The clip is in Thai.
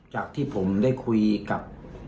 จากที่ผมได้คุยกับ